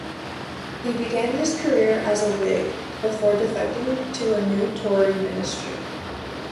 He began his career as a Whig, before defecting to a new Tory Ministry.